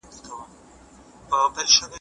باد د پسرلي زیری له ځانه سره راوړي.